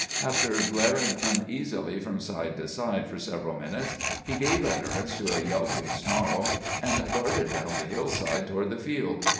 After glaring uneasily from side to side for several minutes, he gave utterance to a yelping snarl, and darted down the hillside toward the field.